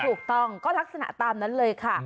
ถูกต้องก็ลักษณะตามนั้นเลยค่ะ